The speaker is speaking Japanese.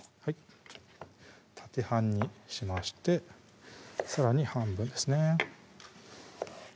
縦半にしましてさらに半分ですね